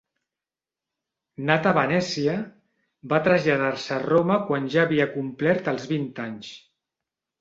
Nat a Venècia, va traslladar-se a Roma quan ja havia complert els vint anys.